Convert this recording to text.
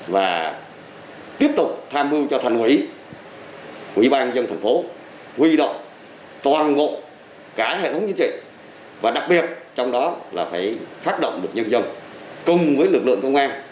và tiếp tục tham mưu cho thành quỷ quỷ ban dân thành phố huy động toàn bộ cả hệ thống chính trị và đặc biệt trong đó là phải phát động được nhân dân cùng với lực lượng công an và các lực lượng khác